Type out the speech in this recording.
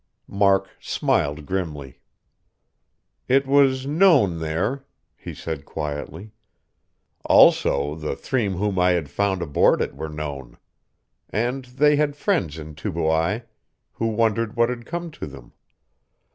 Mark smiled grimly. "It was known there," he said quietly. "Also, the three whom I had found aboard it were known. And they had friends in Tubuai, who wondered what had come to them.